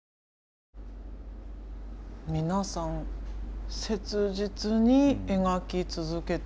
皆さん切実に描き続けてる。